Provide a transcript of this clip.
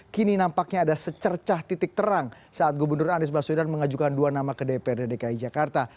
kini nampaknya ada secercah titik terang saat gubernur anies baswedan mengajukan dua nama ke dprd dki jakarta